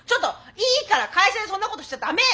いいから会社でそんなことしちゃダメ！